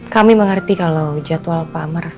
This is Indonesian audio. kami mengerti kalau jadwal pak amar